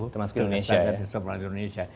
termasuk indonesia ya